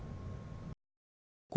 của chính phủ